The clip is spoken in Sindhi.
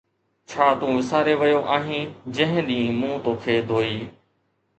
ڇا تون وساري ويو آھين جنھن ڏينھن مون توکي ڌوئي؟